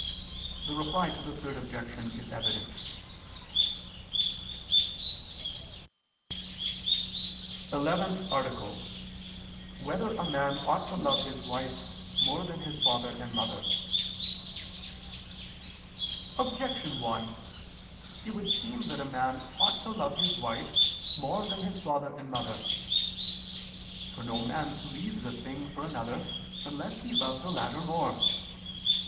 The Reply to the Third Objection is evident. _______________________ ELEVENTH ARTICLE [II II, Q. 26, Art. 11] Whether a Man Ought to Love His Wife More Than His Father and Mother? Objection 1: It would seem that a man ought to love his wife more than his father and mother. For no man leaves a thing for another unless he love the latter more.